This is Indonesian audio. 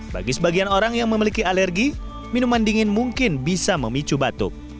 bagi sebagian orang yang memiliki alergi minuman dingin mungkin bisa memicu batuk